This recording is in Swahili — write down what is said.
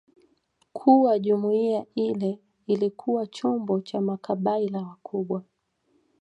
kuwa jumuiya hile ilikuwa chombo cha makabaila wakubwa